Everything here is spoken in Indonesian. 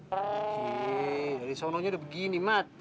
jee dari sono nya udah begini mat